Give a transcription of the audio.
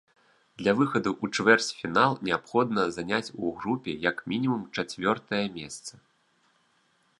Для выхаду ў чвэрцьфінал неабходна заняць у групе як мінімум чацвёртае месца.